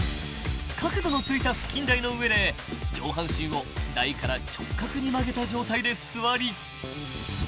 ［角度のついた腹筋台の上で上半身を台から直角に曲げた状態で座り］